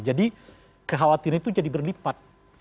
kekhawatiran itu jadi berlipat